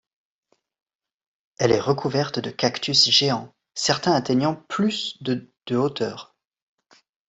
Elle est recouverte de cactus géants, certains atteignant plus de de hauteur.